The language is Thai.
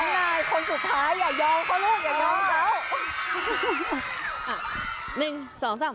นายคนสุดท้ายอย่ายอมก็ลูกอย่ายอมเขา